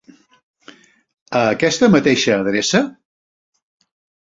A aquesta mateixa adreça?